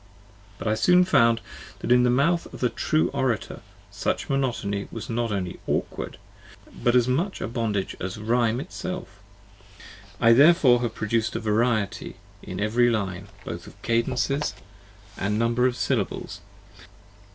But I soon found that in the mouth of a true Orator such monotony was not only awkward, but as much a bondage as rhyme itself. I therefore have produced a variety in every line, both of cadences & xxi number of syllables.